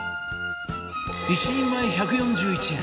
１人前１４１円